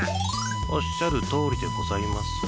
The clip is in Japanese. おっしゃる通りでございます。